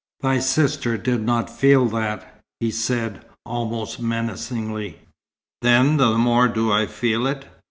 "Thy sister did not feel that," he said, almost menacingly. "Then the more do I feel it.